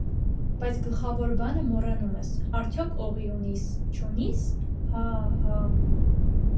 - Բայց գլխավոր բանը մոռանում ես,- արդյոք օղի ունի՞ս, չունի՞ս, հա՜, հա՜…